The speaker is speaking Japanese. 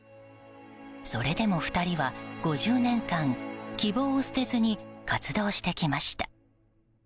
それでも２人は５０年間希望を捨てずに活動してきました。